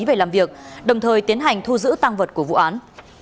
về làm việc đồng thời tiến hành thu giữ tăng vật của vụ án